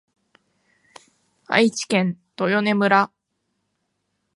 愛知県豊根村